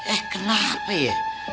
eh kenapa ya